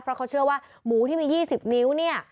เพราะเขาเชื่อว่าหมูที่มี๒๐นิ้วเนี่ย